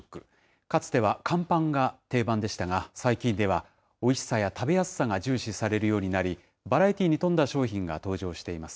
かつては乾パンが定番でしたが、最近では、おいしさや食べやすさが重視されるようになり、バラエティーに富んだ商品が登場しています。